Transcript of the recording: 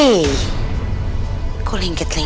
eh ini gak mengerikan